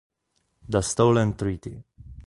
The Stolen Treaty